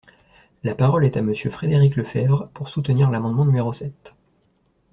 La parole est à Monsieur Frédéric Lefebvre, pour soutenir l’amendement numéro sept.